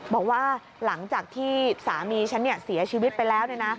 บอกว่าหลังจากที่สามีฉันเสียชีวิตไปแล้ว